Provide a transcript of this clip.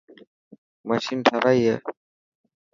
مشين ٺارائي هي.